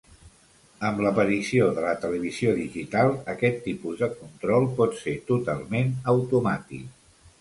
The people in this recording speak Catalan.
Amb l'aparició de la televisió digital aquest tipus de control pot ser totalment automàtic.